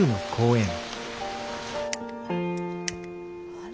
あれ？